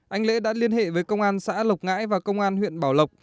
anh lễ đã liên hệ với công an xã lộc ngãi và công an huyện bảo lộc